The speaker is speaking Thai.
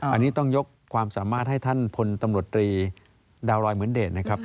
อันนี้ต้องยกความสามารถให้ท่านพลตำรวจตรีดาวรอยเหมือนเดชนะครับ